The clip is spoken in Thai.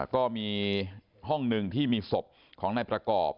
ก็มีห้องหนึ่งที่มีศพของนายประกอบ